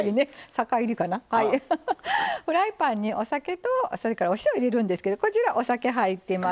フライパンにお酒とそれからお塩入れるんですけどこちらお酒入ってます。